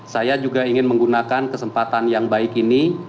saya juga ingin menggunakan kesempatan yang baik ini